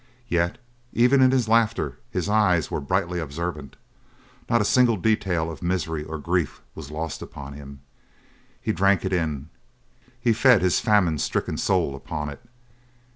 Yet even in his laughter his eyes were brightly observant; not a single detail of misery or grief was lost upon him; he drank it in; he fed his famine stricken soul upon it.